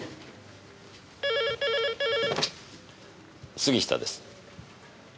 杉下です。